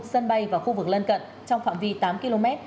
sân bay và khu vực lân cận trong phạm vi tám km